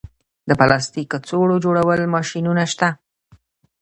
د پلاستیک کڅوړو جوړولو ماشینونه شته